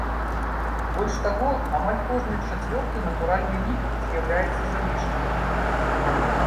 Больш таго, амаль кожны чацвёрты натуральны лік з'яўляецца залішнім.